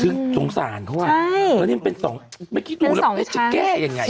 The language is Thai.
อืมซึ่งสงสารเขาอ่ะใช่แล้วนี่มันเป็นสองเมื่อกี้ดูแล้วจะแก้ยังไง